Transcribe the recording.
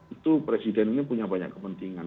itu presiden ini punya banyak kepentingan